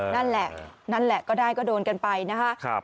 นั่นแหละนั่นแหละก็ได้ก็โดนกันไปนะคะ